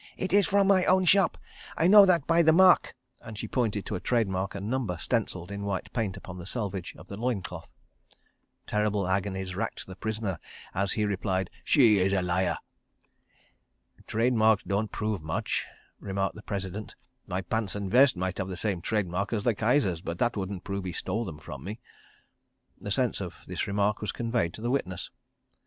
"It is from my own shop. I know it by that mark," and she pointed to a trade mark and number stencilled in white paint upon the selvedge of the loin cloth. Terrible agonies racked the prisoner as he replied: "She is a liar." "Trade mark don't prove much," remarked the President. "My pants and vest might have same trade mark as the Kaiser's—but that wouldn't prove he stole them from me." The sense of this remark was conveyed to the witness.